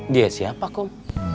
dia siapa kum